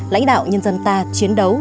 lãnh đạo nhân dân ta chiến đấu